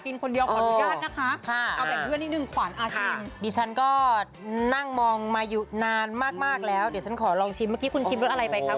เพกได้ยินเสียงดังกรุกเลยนะคุณผู้ชมนะคะ